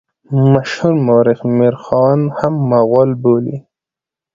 مشهور مورخ میرخوند هم مغول بولي.